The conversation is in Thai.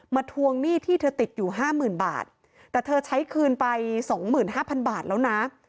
มาทวงหนี้ที่เธอติดอยู่๕หมื่นบาทแต่เธอใช้คืนไป๒๕๐๐๐บาทแล้วนะ